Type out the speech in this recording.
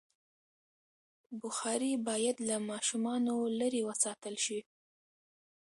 بخاري باید له ماشومانو لرې وساتل شي.